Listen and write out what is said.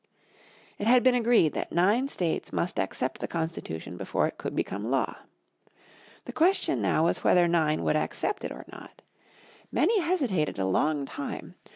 It had been agreed that nine states must accept the Constitution before it could become law. The question now was whether nine would accept it or not. Many hesitated a long time.